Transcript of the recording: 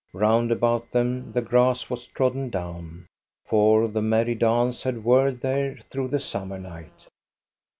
Round about them the grass was trodden down, for the merry dance had whirled there through the summer night.